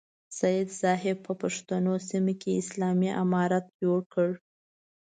سید صاحب په پښتنو سیمه کې اسلامي امارت جوړ کړ.